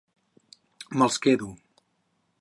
Me'ls quedo.